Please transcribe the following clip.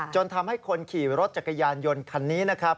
จนทำให้คนขี่รถจักรยานยนต์คันนี้นะครับ